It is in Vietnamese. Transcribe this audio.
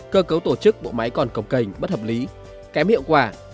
cơ cấu tổ chức bộ máy còn cổng cành bất hợp lý kém hiệu quả